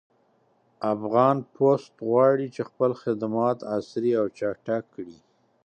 افغان پُست غواړي چې خپل خدمات عصري او چټک کړي